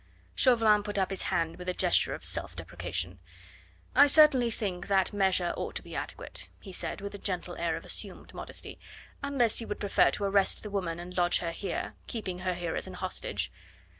Chauvelin put up his hand with a gesture of self deprecation. "I certainly think that measure ought to be adequate," he said with a gentle air of assumed modesty, "unless you would prefer to arrest the woman and lodge her here, keeping her here as an hostage."